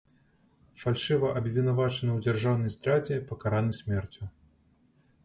Фальшыва абвінавачаны ў дзяржаўнай здрадзе, пакараны смерцю.